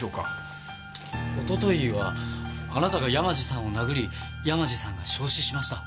一昨日はあなたが山路さんを殴り山路さんが焼死しました。